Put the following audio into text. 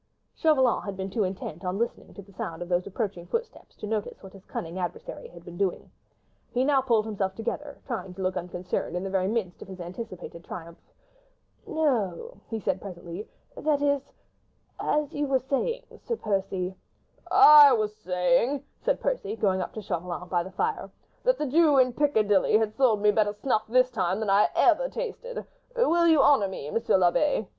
Chauvelin had been too intent on listening to the sound of those approaching footsteps, to notice what his cunning adversary had been doing. He now pulled himself together, trying to look unconcerned in the very midst of his anticipated triumph. "No," he said presently, "that is—as you were saying, Sir Percy—?" "I was saying," said Blakeney, going up to Chauvelin, by the fire, "that the Jew in Piccadilly has sold me better snuff this time than I have ever tasted. Will you honour me, Monsieur l'Abbé?"